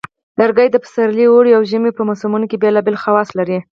لرګي د پسرلي، اوړي، او ژمي په موسمونو کې بیلابیل خواص لري.